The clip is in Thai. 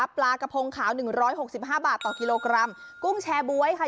ปลากระพงขาวหนึ่งร้อยหกสิบห้าบาทต่อกิโลกรัมกุ้งแชร์บ๊วยค่ะ